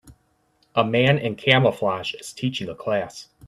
A man in camouflage is teaching a class.